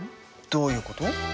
どういうこと？